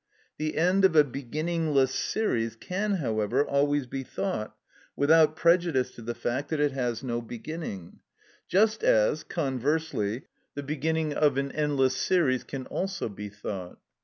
The end of a beginningless series can, however, always be thought, without prejudice to the fact that it has no beginning; just as, conversely, the beginning of an endless series can also be thought.